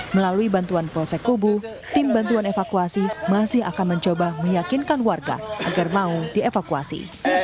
melalui bantuan polsek kubu tim bantuan evakuasi masih akan mencoba meyakinkan warga agar mau dievakuasi